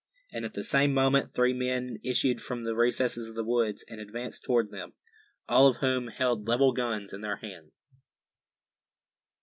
And at the same moment three men issued from the recesses of the woods, and advanced toward them, all of whom held leveled guns in their hands.